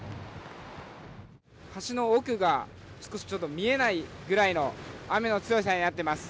橋の奥が見えないくらいの雨の強さになっています。